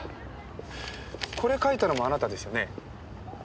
これ描いたのもあなたですよね？